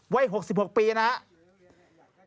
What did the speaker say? วัย๖๖ปีนะครับ